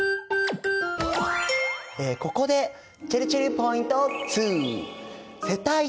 ここでちぇるちぇるポイント２。